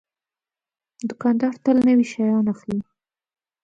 دوکاندار تل نوي شیان اخلي.